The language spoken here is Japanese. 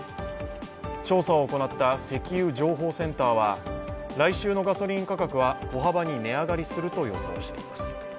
調査を行った石油情報センターは来週のガソリン価格は小幅に値上がりすると予想しています。